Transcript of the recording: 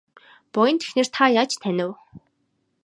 Буянт эхнэр та яаж танив?